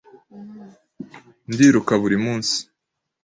Ndiruka buri munsi.